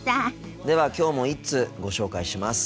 ではきょうも１通ご紹介します。